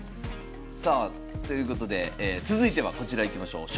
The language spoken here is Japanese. さあということで続いてはこちらいきましょう。